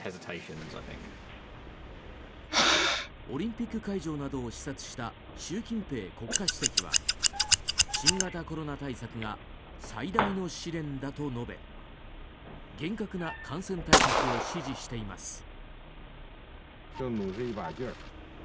オリンピック会場などを視察した習近平国家主席は新型コロナ対策が最大の試練だと述べ厳格な感染対策を指示しています。